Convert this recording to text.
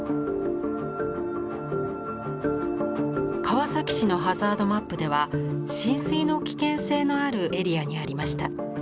川崎市のハザードマップでは浸水の危険性のあるエリアにありました。